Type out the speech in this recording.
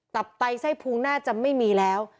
ไตใส้ภู้งน่าจะไม่มีแล้ว